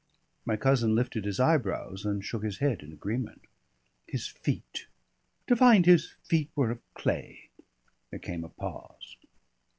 My cousin lifted his eyebrows and shook his head in agreement. "His feet to find his feet were of clay!" There came a pause.